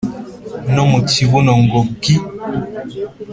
no mu kibuno ngo bwi